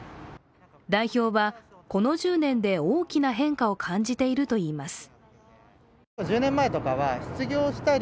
代表はこの１０年で大きな変化を感じているといいます。